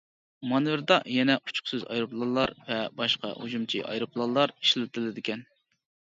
مانېۋىردا يەنە ئۇچقۇچىسىز ئايروپىلانلار ۋە باشقا ھۇجۇمچى ئايروپىلانلار ئىشلىتىلىدىكەن.